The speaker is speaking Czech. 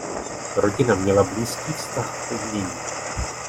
Rodina měla blízký vztah k umění.